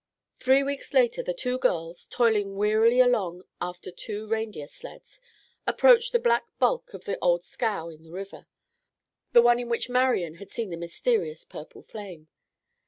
Three weeks later the two girls, toiling wearily along after two reindeer sleds, approached the black bulk of the old scow in the river, the one in which Marian had seen the mysterious purple flame.